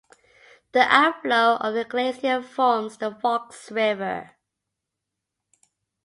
The outflow of the glacier forms the Fox River.